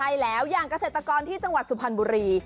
ใช่แล้วอย่างเกษตรกรที่จังหวัดสุพรรณบุรี